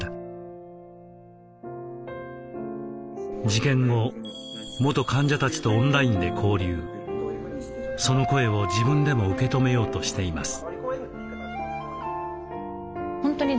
事件後元患者たちとオンラインで交流その声を自分でも受け止めようとしています。